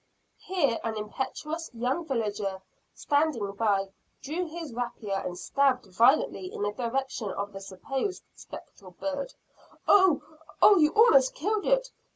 Here an impetuous young villager, standing by, drew his rapier, and stabbed violently in the direction of the supposed spectral bird. "Oh! Oh! You almost killed it!